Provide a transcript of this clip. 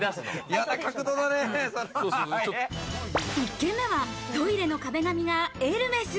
一軒目はトイレの壁紙がエルメス。